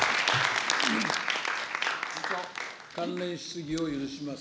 関連質疑を許します。